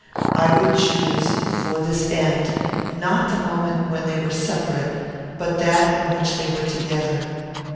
I would choose for this end, not the moment when they were separate, but that in which they were together.